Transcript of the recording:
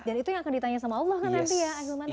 dan itu yang akan ditanya sama allah nanti ya